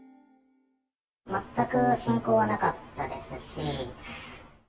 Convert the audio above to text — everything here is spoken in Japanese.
全く信仰はなかったですし。